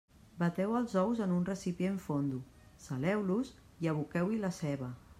Bateu els ous en un recipient fondo, saleu-los i aboqueu-hi la ceba.